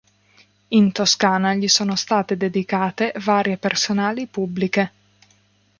In Toscana gli sono state dedicate varie personali pubbliche.